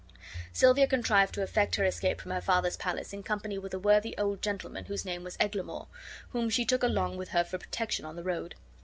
Silvia contrived to effect her escape from her father's palace in company with a worthy old gentleman whose name was Eglamour, whom she took along with her for protection on the road.